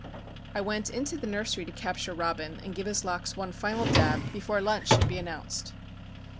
I went into the nursery to capture Robin and give his locks one final dab before lunch should be announced.